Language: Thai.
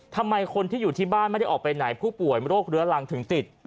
ทำไมคนที่อยู่ที่บ้านไม่ได้ออกไปไหนผู้ป่วยโรคเรื้อรังถึงติด